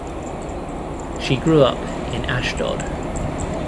She grew up in Ashdod.